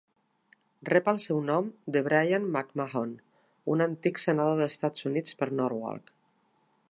Rep el seu nom de Brien McMahon, un antic senador dels Estats Units per Norwalk.